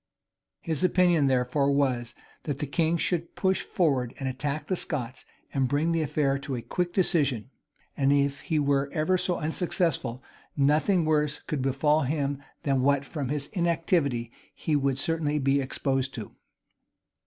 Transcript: His opinion therefore was, that the king should push forward and attack the Scots, and bring the affair to a quick decision; and, if he were ever so unsuccessful, nothing worse could befall him than what from his inactivity he would certainly be exposed to.